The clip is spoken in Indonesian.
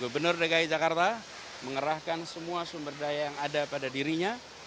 gubernur dki jakarta mengerahkan semua sumber daya yang ada pada dirinya